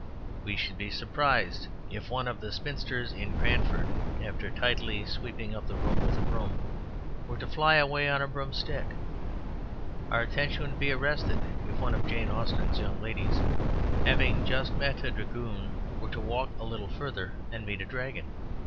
We should be surprised if one of the spinsters in Cranford, after tidily sweeping the room with a broom, were to fly away on a broomstick. Our attention would be arrested if one of Jane Austen's young ladies who had just met a dragoon were to walk a little further and meet a dragon.